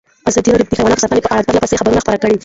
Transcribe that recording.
ازادي راډیو د حیوان ساتنه په اړه پرله پسې خبرونه خپاره کړي.